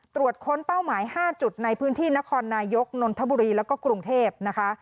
ตรวจค้นเป้าหมาย๕จุดในพื้นที่นครนายกนนทบุรีแล้วก็กรุงเทพนะคะ